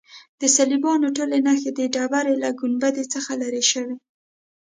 د صلیبیانو ټولې نښې د ډبرې له ګنبد څخه لیرې شوې.